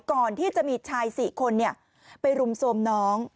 ก่อนที่จะมีชาย๔คนไปรุมโทรมน้อง